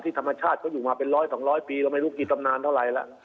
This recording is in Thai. ธรรมชาติเขาอยู่มาเป็น๑๐๐๒๐๐ปีเราไม่รู้กี่จำนานเท่าไหร่